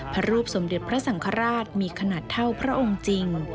พระรูปสมเด็จพระสังฆราชมีขนาดเท่าพระองค์จริง